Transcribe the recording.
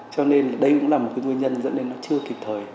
cho nên đây cũng là một cái nguyên nhân dẫn đến nó chưa kịp thời